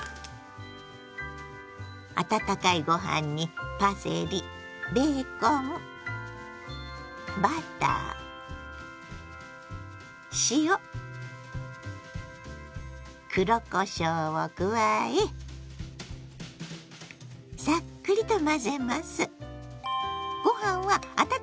温かいご飯にパセリベーコンバター塩黒こしょうを加えサックリと混ぜます。